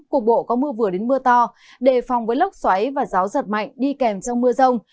cục bộ có mưa vừa đến mưa to đề phòng với lốc xoáy và gió giật mạnh đi kèm trong mưa rông